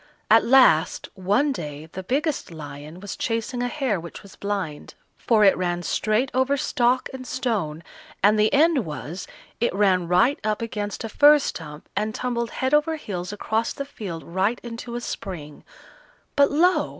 At last, one day the biggest lion was chasing a hare which was blind, for it ran straight over stock and stone, and the end was, it ran right up against a fir stump and tumbled head over heels across the field right into a spring; but lo!